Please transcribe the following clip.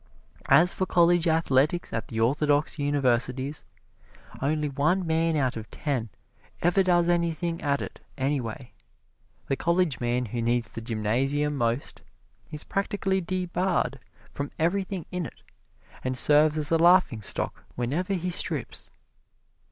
As for college athletics at the Orthodox Universities, only one man out of ten ever does anything at it anyway the college man who needs the gymnasium most is practically debarred from everything in it and serves as a laughing stock whenever he strips.